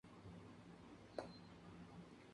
Su oferta fue retirada debido a las protestas locales.